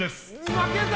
負けた！